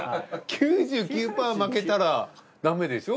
９９％負けたらダメでしょ？